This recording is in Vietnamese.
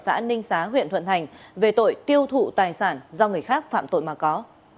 xã ninh xá huyện thuận thành về tội tiêu thụ tài sản do người khác phạm tội mà có